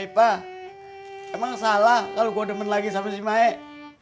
ipah emang salah kalau gue demen lagi sama si maek